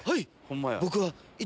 「はい！